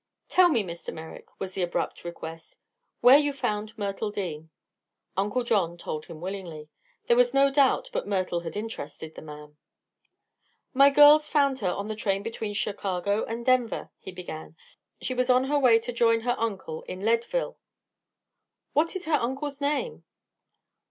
"Tell me, Mr. Merrick," was the abrupt request, "where you found Myrtle Dean." Uncle John told him willingly. There was no doubt but Myrtle had interested the man. "My girls found her on the train between Chicago and Denver," he began. "She was on her way to join her uncle in Leadville." "What is her uncle's name?"